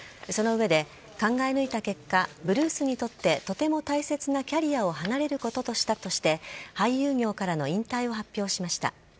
その上で、考え抜いた結果ブルースにとってとても大切なキャリアを離れることとしたとして俳優業からの引退を発表しました。